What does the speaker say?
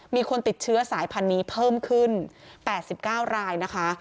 มีคนติดเชื้อสายพันธุ์นี้เพิ่มขึ้น๘๙รายนะคะ